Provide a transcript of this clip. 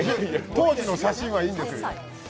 当時の写真はいいんですよ、今。